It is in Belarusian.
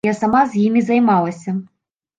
Я сама з імі займалася.